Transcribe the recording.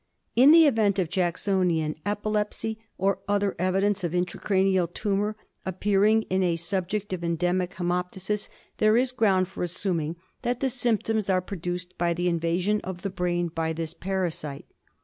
In the event of Jacksonian epilepsy or other evidence of intracraneal tumour appearing in a subject of endemic haemoptysis there is ground for assuming that the symptoms are produced by the in vasion of the brain by this parasite.